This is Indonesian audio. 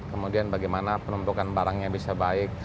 kemudian bagaimana penumpukan barangnya bisa baik